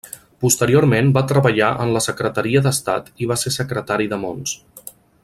Posteriorment va treballar en la Secretaria d'Estat i va ser secretari de Mons.